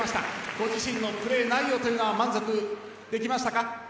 ご自身のプレー内容というのは満足できましたか。